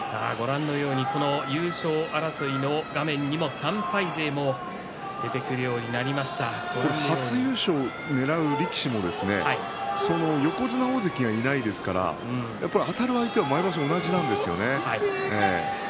優勝争いの画面にも３敗勢も出てくるように初優勝をねらう力士も横綱、大関がいないですからあたる相手毎場所同じなんですよね。